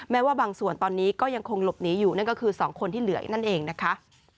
ว่าบางส่วนตอนนี้ก็ยังคงหลบหนีอยู่นั่นก็คือ๒คนที่เหลืออีกนั่นเองนะคะ